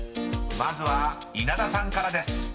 ［まずは稲田さんからです］